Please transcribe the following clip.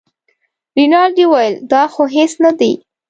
رینالډي وویل دا خو هېڅ نه دي.